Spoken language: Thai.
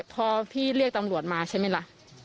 พอพี่เรียกตำรวจมาใช่ไหมล่ะ